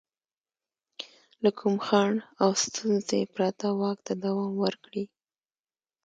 له کوم خنډ او ستونزې پرته واک ته دوام ورکړي.